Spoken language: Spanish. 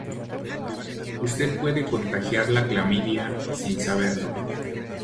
Usted puede contagiar la clamidia sin saberlo.